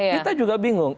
kita juga bingung